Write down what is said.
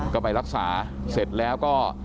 ก็ไปรักษาเสร็จแล้วก็